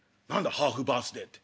ハーフバースデーって」。